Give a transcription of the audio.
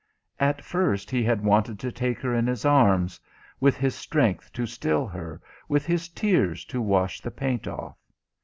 At first he had wanted to take her in his arms; with his strength to still her, with his tears to wash the paint off.